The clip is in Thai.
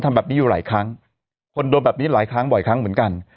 ทำแบบนี้อยู่หลายครั้งคนโดนแบบนี้หลายครั้งบ่อยครั้งเหมือนกัน